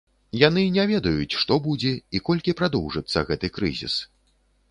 Яны не ведаюць, што будзе і колькі прадоўжыцца гэты крызіс.